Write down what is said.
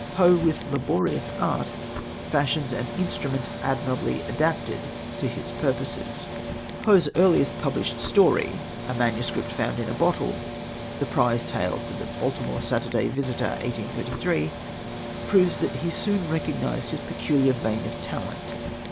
Poe, with laborious art, fashions an instrument admirably adapted to his purposes. Poe's earliest published story, A Manuscript Found in a Bottle the prize tale for the Baltimore Saturday Visitor, 1833 proves that he soon recognised his peculiar vein of talent.